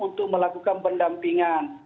untuk melakukan pendampingan